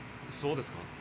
そうですか。